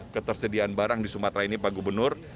ketersediaan barang di sumatera ini pak gubernur